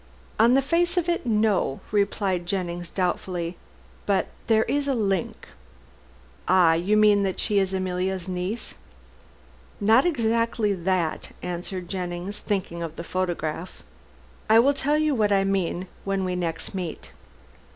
"On the face of it no," replied Jennings doubtfully, "but there is a link " "Ah, you mean that she is Emilia's niece." "Not exactly that," answered Jennings, thinking of the photograph. "I will tell you what I mean when we next meet."